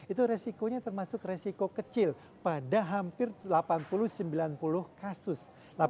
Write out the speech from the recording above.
itu resikonya termasuk resiko kecil pada hampir delapan puluh sembilan puluh kasus